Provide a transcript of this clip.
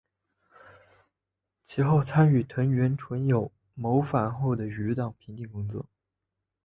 其后参与藤原纯友谋反后的余党平定工作。